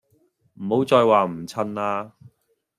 唔好再話唔襯啦